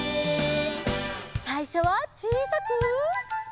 さいしょはちいさく。